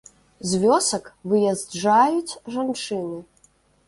З вёсак выязджаюць жанчыны.